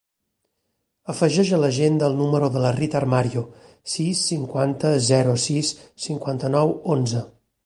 Afegeix a l'agenda el número de la Rita Armario: sis, cinquanta, zero, sis, cinquanta-nou, onze.